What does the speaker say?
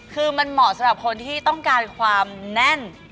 คือมันเหมาะสำหรับคนที่ต้องการความแน่น